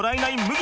麦。